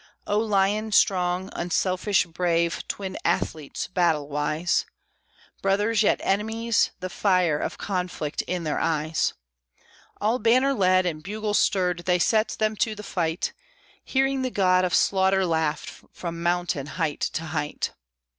O lion strong, unselfish, brave, twin athletes battle wise, Brothers yet enemies, the fire of conflict in their eyes, All banner led and bugle stirred, they set them to the fight, Hearing the god of slaughter laugh from mountain height to height.